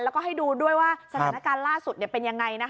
แล้วก็ให้ดูด้วยว่าสถานการณ์ล่าสุดเป็นยังไง